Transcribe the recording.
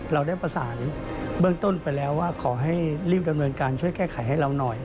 เราได้ประสานเบื้องต้นไปแล้วว่าขอให้รีบดำเนินการช่วยแก้ไขให้เราหน่อย